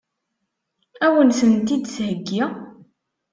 Ad wen-tent-id-theggi?